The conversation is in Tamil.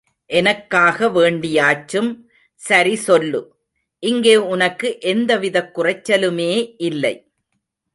எனக்காக வேண்டியாச்சும் சரி சொல்லு, இங்கே உனக்கு எந்தவிதக் குறைச்சலுமே இல்லை.